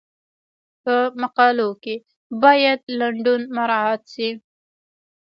په مقالو کې باید لنډون مراعات شي.